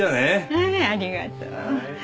はいありがとう。